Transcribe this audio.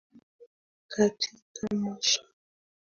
katika mashamba makubwa yaliyolima mazao ya biashara